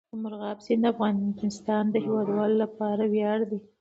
مورغاب سیند د افغانستان د هیوادوالو لپاره ویاړ دی.